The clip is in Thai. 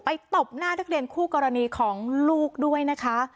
ตบหน้านักเรียนคู่กรณีของลูกด้วยนะคะ